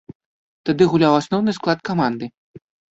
Тады гуляў асноўны склад каманды.